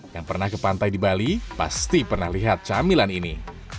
yang pernah ke pantai di bali pasti pernah lihat camilan ini